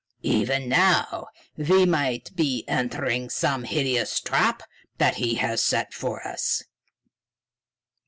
Even now we might be entering some hideous trap that he has set for us."